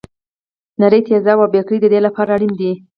نري تیزاب او بیکر د دې لپاره اړین دي.